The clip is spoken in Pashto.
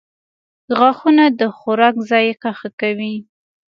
• غاښونه د خوراک ذایقه ښه کوي.